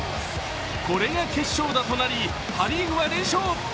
これが決勝打となりパ・リーグは連勝。